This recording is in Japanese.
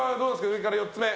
上から４つ目。